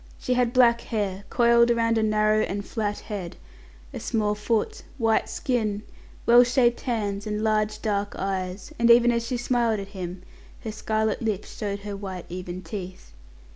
She had black hair, coiled around a narrow and flat head, a small foot, white skin, well shaped hands, and large dark eyes, and as she smiled at him, her scarlet lips showed her white even teeth.